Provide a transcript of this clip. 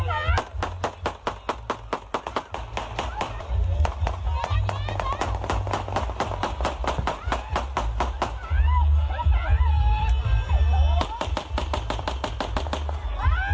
สวัสดีทุกคน